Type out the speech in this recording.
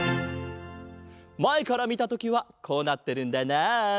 まえからみたときはこうなってるんだなあ。